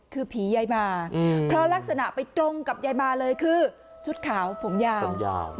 คือผียายมาเพราะลักษณะไปตรงกับยายมาเลยคือชุดขาวผมยาวผมยาว